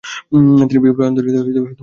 তিনি বিপ্লবী আন্দোলনে যুক্ত হতে শুরু করেন।